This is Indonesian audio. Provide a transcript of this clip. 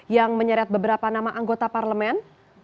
yang menyeret beberapa nama anggota parlemen